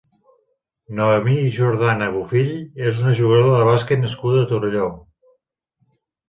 Noemí Jordana Bofill és una jugadora de bàsquet nascuda a Torelló.